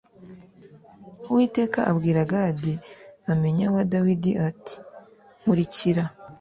Uwiteka abwira Gadi bamenya wa Dawidi ati Nkurikira